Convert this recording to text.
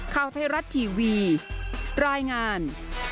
ข่าวไทยรัฐทีวีรายงาน